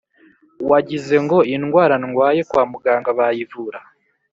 wagize ngo indwara ndwaye kwa muganga bayivura